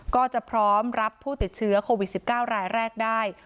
ก็จะพร้อมรับผู้ติดเชื้อโควิด๑๙รายแรกได้